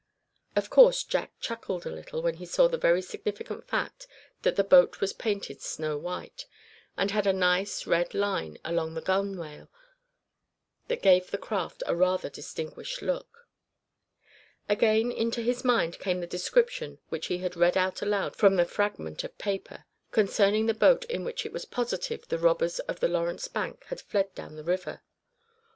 Of course Jack chuckled a little when he saw the very significant fact that the boat was painted snow white, and had a nice red line along the gunwale that gave the craft a rather distinguished look. Again into his mind came the description which he had read out aloud from the fragment of paper, concerning the boat in which it was positive the robbers of the Lawrence bank had fled down the river.